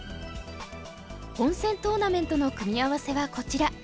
本戦トーナメントの組み合わせはこちら。